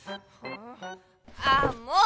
あもう！